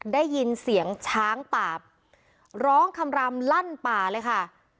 ได้ยินเสียงช้างป่าร้องคำรำลั่นป่าเลยค่ะ